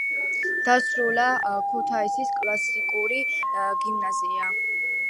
დაასრულა ქუთაისის კლასიკური გიმნაზია.